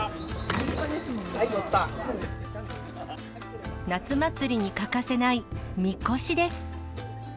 はい、夏祭りに欠かせないみこしです。